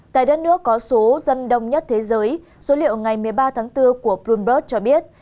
tại đất nước có số dân đông nhất thế giới số liệu ngày một mươi ba tháng bốn của bloomberg cho biết